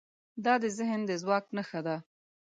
دا د ذهن د ځواک نښه ده.